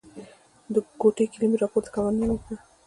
د کوټې کیلي مې راپورته کړه او مننه مې وکړه.